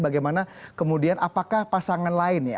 bagaimana kemudian apakah pasangan lain ya